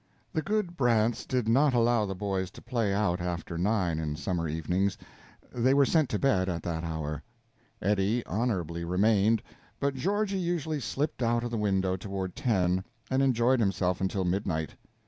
The good Brants did not allow the boys to play out after nine in summer evenings; they were sent to bed at that hour; Eddie honorably remained, but Georgie usually slipped out of the window toward ten, and enjoyed himself until midnight.